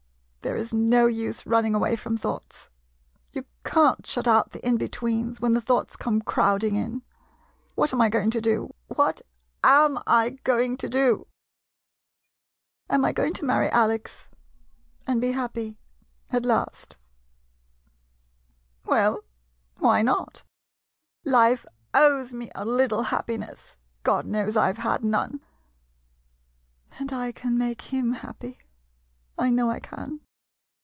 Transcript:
There is no use running away from thoughts. You can't shut out the in betweens, when the thoughts come crowding in. ... What am I going to do? What am I going to do? Am I going to marry Alex, and be happy — 30 ROAD OF THE LOVING HEART at last? [Harshly. 1 Well — why not? Life owes me a little happiness — God knows I 've had none. [Softly.] And I can make him happy — I know I can